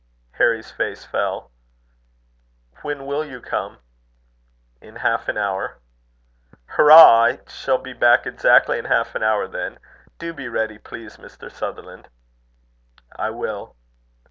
Harry's face fell. "When will you come?" "In half an hour." "Hurrah! I shall be back exactly in half an hour then. Do be ready, please, Mr. Sutherland." "I will."